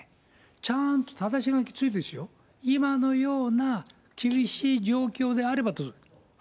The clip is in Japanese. ちゃんとただし書きついてですよ、今のような厳しい状況であればと。